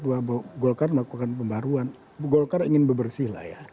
bahwa golkar melakukan pembaruan golkar ingin bebersih lah ya